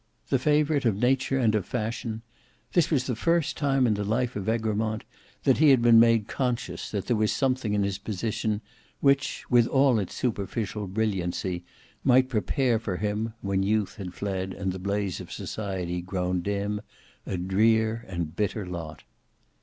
The favourite of nature and of fashion, this was the first time in the life of Egremont, that he had been made conscious that there was something in his position which, with all its superficial brilliancy, might prepare for him, when youth had fled and the blaze of society grown dim, a drear and bitter lot.